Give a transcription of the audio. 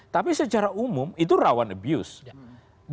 tapi secara umum itu rawan abuse